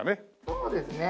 そうですね。